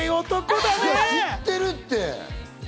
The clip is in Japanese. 知ってるって。